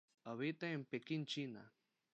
Habita en Pekín China.